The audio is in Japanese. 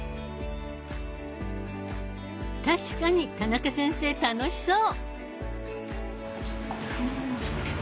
確かに田中先生楽しそう。